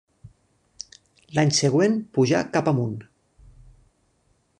L'any següent pujar cap amunt.